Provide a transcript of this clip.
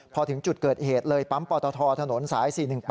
พอถึงจุดเกิดเหตุเลยปั๊มปตทถนนสาย๔๑๘